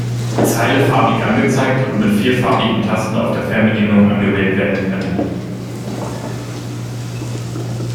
Zeile farbig angezeigt und mit vier farbigen Tasten auf der Fernbedienung angewählt werden können.